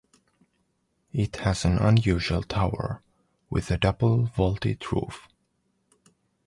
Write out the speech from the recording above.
It has an unusual tower, with a double vaulted roof.